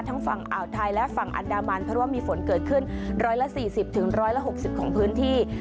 ทั้งฝั่งอ่าวไทยและฝั่งอันดามันเพราะว่ามีฝนเกิดขึ้นร้อยละสี่สิบถึงร้อยละหกสิบของพื้นที่